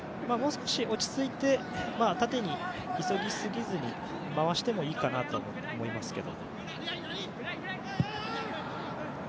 もう少し、落ち着いて縦に急ぎすぎずに回してもいいかなと思います。